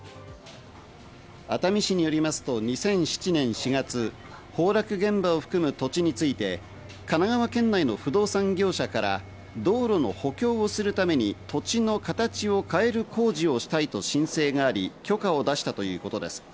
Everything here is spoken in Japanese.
熱海市によりますと２００７年４月、崩落現場を含む土地について神奈川県内の不動産業者から道路の補強をするために土地の形を変える工事をしたいと申請があり、許可を出したということです。